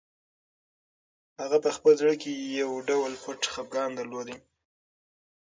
هغه په خپل زړه کې یو ډول پټ خپګان درلود.